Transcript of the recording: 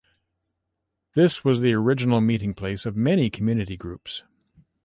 This was the original meeting place of many community groups.